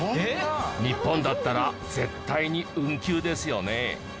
日本だったら絶対に運休ですよね。